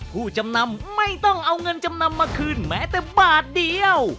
ผู้จำนำไม่ต้องเอาเงินจำนำมาคืนแม้แต่บาทเดียว